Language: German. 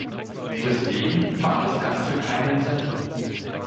Deswegen macht das Ganze keinen Sinn.